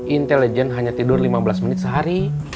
intelijen hanya tidur lima belas menit sehari